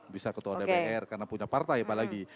bisa ketua dpr karena punya partai apalagi